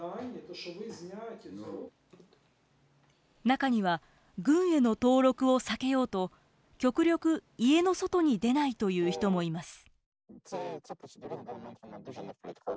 中には軍への登録を避けようと極力家の外に出ないという人もいます。